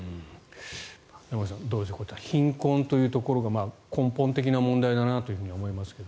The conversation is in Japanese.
山口さん、どうでしょう貧困というところが根本的な問題だなと思いますけれど。